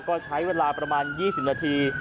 ก็ใช้เวลาประมาณ๒๐นาที